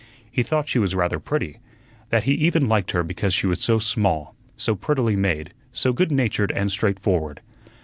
He thought she was rather pretty, that he even liked her because she was so small, so prettily made, so good natured and straightforward.